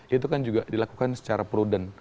itu kan juga dilakukan secara prudent